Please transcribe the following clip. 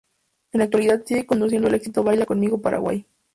En la actualidad sigue conduciendo el exitoso Baila Conmigo Paraguay